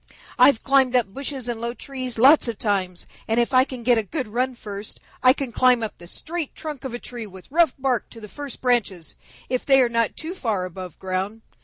"I've climbed up bushes and low trees lots of times, and if I can get a good run first, I can climb up the straight trunk of a tree with rough bark to the first branches if they are not too far above ground.